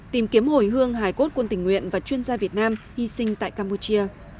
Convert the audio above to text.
tìm kiếm hồi hương hải cốt quân tình nguyện và chuyên gia việt nam hy sinh tại campuchia